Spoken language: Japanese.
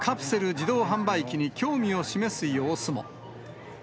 自動販売機に興味を示す様子も。